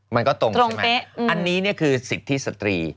มันก็ตรงใช่ไหมอันนี้คือสิทธิสตรี